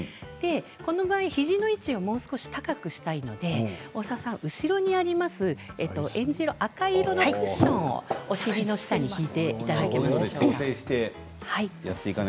この場合、肘の位置をもう少し高くしたいので大沢さん後ろにあります赤い色のクッションをお尻の下に敷いていただけますか。